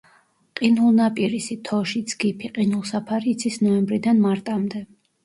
ყინულნაპირისი, თოში, ძგიფი, ყინულსაფარი იცის ნოემბრიდან მარტამდე.